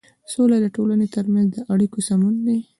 سوله د ټولنې تر منځ د اړيکو سمون دی.